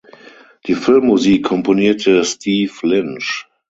Die Filmmusik komponierte Steve Lynch.